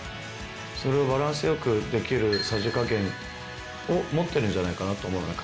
それをバランス良くできるさじ加減を持ってるんじゃないかなと思うんだよね